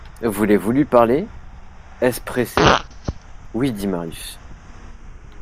Voulez-vous lui parler ? est-ce pressé ? Oui, dit Marius.